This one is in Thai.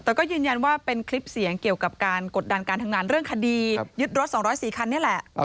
แต่ก็ยืนยันว่าเป็นคลิปเสียงเรื่องขดียึดรถ๒๐๔คันนี้แหละ